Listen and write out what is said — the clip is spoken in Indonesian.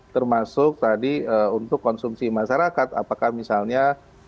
termasuk tadi untuk konsumsi masyarakat apakah misalnya